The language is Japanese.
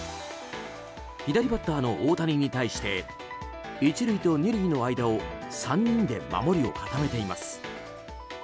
左バッターの大谷に対して一塁と二塁の間を３人で守りを固めています。